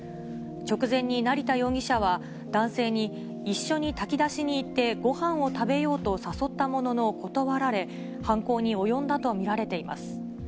直前に成田容疑者は、男性に一緒に炊き出しに行ってごはんを食べようと誘ったものの断られ、犯行に及んだと見られています。